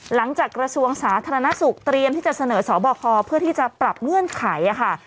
หลังจากกระทรวงสาธารณสุขเตรียมที่จะเสนอเสาบ่อคอเพื่อที่จะปรับเมื่อนไขอะค่ะ